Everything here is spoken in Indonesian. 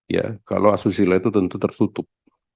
ya kalau asusila itu tentu tertutup